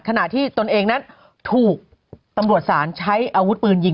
ขณะที่ตนเองนั้นถูกตำรวจศาลใช้อาวุธปืนยิง